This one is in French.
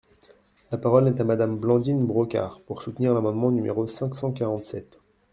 La parole est à Madame Blandine Brocard, pour soutenir l’amendement numéro cinq cent quarante-sept.